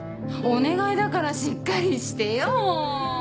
お願いだからしっかりしてよ。